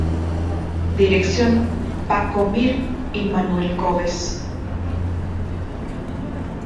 Dirección: Paco Mir y Manuel Coves.